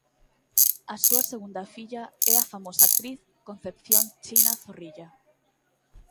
A súa segunda filla é a famosa actriz Concepción "China" Zorrilla.